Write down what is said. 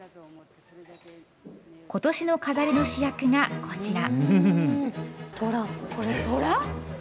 ことしの飾りの主役がこちら。